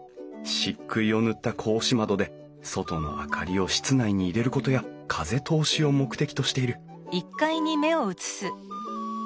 漆喰を塗った格子窓で外の明かりを室内に入れることや風通しを目的としているあっ